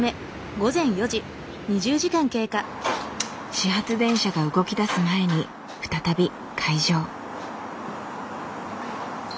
始発電車が動きだす前に再び開場。